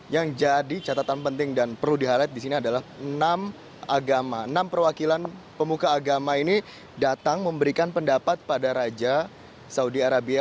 yang jadi catatan penting dan perlu di highlight di sini adalah enam agama enam perwakilan pemuka agama ini datang memberikan pendapat pada raja saudi arabia